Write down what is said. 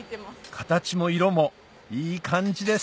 形も色もいい感じです